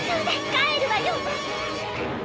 帰るわよ！